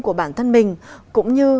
của bản thân mình cũng như